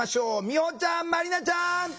みほちゃんまりなちゃん。